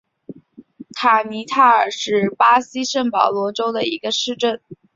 卡尼塔尔是巴西圣保罗州的一个市镇。